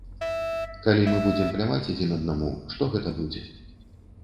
Калі мы будзем пляваць адзін аднаму, што гэта будзе.